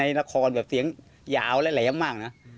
นครแบบเสียงยาวและแหลมมากนะ